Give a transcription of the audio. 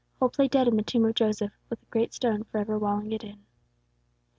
Hope lay dead in the tomb of Joseph, with a great stone forever walling it in.